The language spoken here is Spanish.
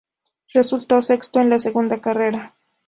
Resultó sexto en la segunda carrera.